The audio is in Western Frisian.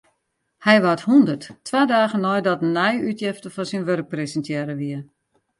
Hy waard hûndert, twa dagen neidat in nije útjefte fan syn wurk presintearre wie.